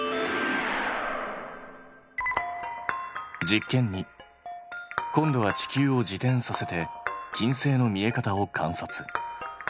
実験２。今度は地球を自転させて金星の見え方を観察。